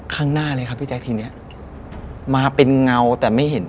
ข้างหน้าเลยครับพี่แจ๊คทีเนี้ยมาเป็นเงาแต่ไม่เห็น